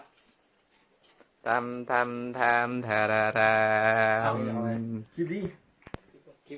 เอาไงเอาไงคลิปดี